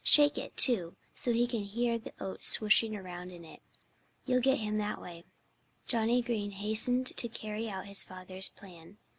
Shake it, too, so he can hear the oats swishing around in it. You'll get him that way." Johnnie Green hastened to carry out his father's plan.